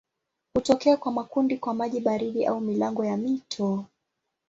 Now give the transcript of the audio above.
Hutokea kwa makundi kwa maji baridi au milango ya mito.